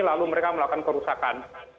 lalu mereka melakukan kerusakan